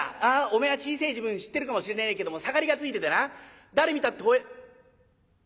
おめえは小せえ時分知ってるかもしれねえけども盛りがついててな誰見たってほえ。